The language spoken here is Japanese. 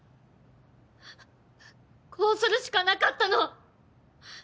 こうするしかなかったの！